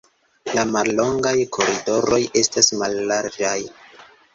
La mallongaj koridoroj estas mallarĝaj.